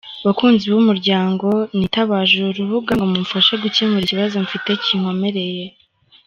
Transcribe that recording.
Bakunzi b’Umuryango, nitabaje uru rubuga ngo mumfashe gukemura ikibazo mfite kinkomereye.